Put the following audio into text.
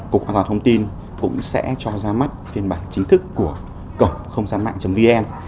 cục an toàn thông tin cũng sẽ cho ra mắt phiên bản chính thức của cổng không gian mạng vn